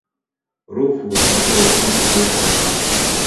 Ruvu na mto Ruvuma pamoja na Ruwana